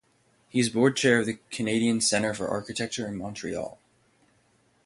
He is Board Chair of the Canadian Centre for Architecture in Montreal.